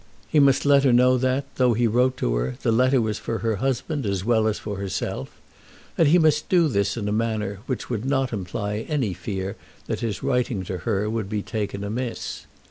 He must let her know that, though he wrote to her, the letter was for her husband as well as for herself, and he must do this in a manner which would not imply any fear that his writing to her would be taken amiss.